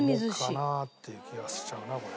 桃かなっていう気がしちゃうな。